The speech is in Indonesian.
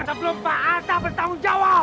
sebelum pak anta bertanggung jawab